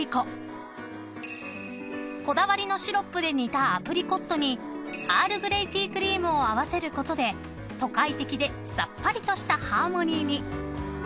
［こだわりのシロップで煮たアプリコットにアールグレイティークリームを合わせることで都会的でさっぱりとしたハーモニーに］